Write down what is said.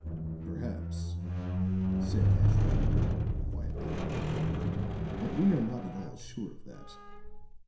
"Perhaps," said Ashton Kirk quietly. "But we are not at all sure of that.